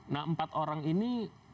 nah empat orang ini